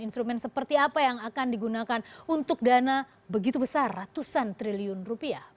instrumen seperti apa yang akan digunakan untuk dana begitu besar ratusan triliun rupiah